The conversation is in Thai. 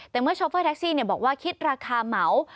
แต่เมื่อโชเฟอร์แท็กซี่บอกว่าคิดราคาเหมา